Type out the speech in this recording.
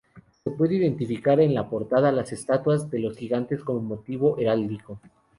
Se puede identificar en la portada las estatuas de los gigantes como motivo heráldico.